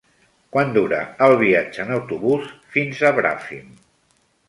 Quant dura el viatge en autobús fins a Bràfim?